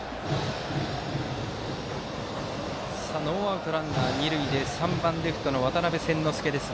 ノーアウトランナー、二塁で３番レフトの渡邉千之亮。